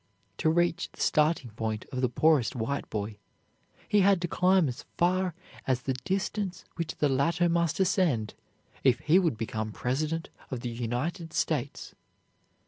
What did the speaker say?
To reach the starting point of the poorest white boy, he had to climb as far as the distance which the latter must ascend if he would become President of the United States.